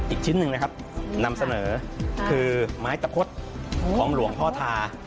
อีกชิ้นหนึ่งนะครับนำเสนอคือไม้ตะพดของหลวงพ่อทา